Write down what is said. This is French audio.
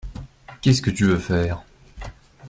Qu'est-ce tu veux faire?